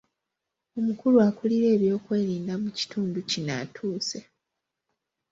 Omukulu akulira eby'okwerinda mu kitundu kino atuuse.